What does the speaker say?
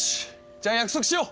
じゃあ約束しよう！